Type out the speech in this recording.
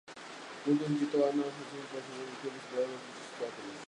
Juntos, Vito, Hana, Kazuma pasan por tiempos difíciles y tienen que superar muchos obstáculos.